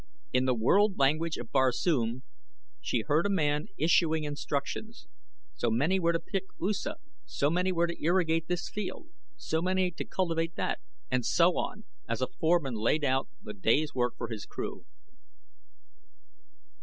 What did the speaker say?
In the world language of Barsoom she heard a man issuing instructions so many were to pick usa, so many were to irrigate this field, so many to cultivate that, and so on, as a foreman lays out the day's work for his crew.